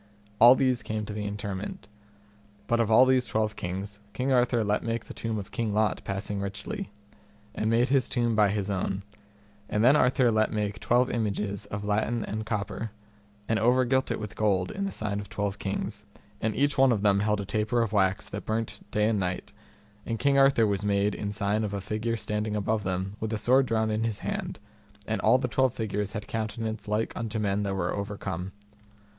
All these came to the interment. But of all these twelve kings King Arthur let make the tomb of King Lot passing richly, and made his tomb by his own; and then Arthur let make twelve images of latten and copper, and over gilt it with gold, in the sign of twelve kings, and each one of them held a taper of wax that burnt day and night; and King Arthur was made in sign of a figure standing above them with a sword drawn in his hand, and all the twelve figures had countenance like unto men that were overcome.